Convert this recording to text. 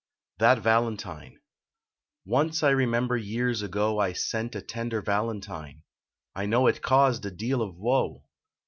THAI VALENTINE Once I remember years ago I sent a tender valentine ; I know it caused a deal of woe.